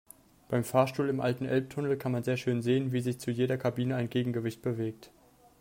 Beim Fahrstuhl im alten Elbtunnel kann man sehr schön sehen, wie sich zu jeder Kabine ein Gegengewicht bewegt.